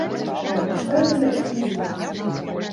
А што яны даюць музыкам?